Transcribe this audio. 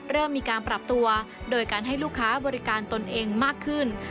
เริ่มมีการปรับตัวโดยการให้ลูกค้าบริการตนเองมากขึ้น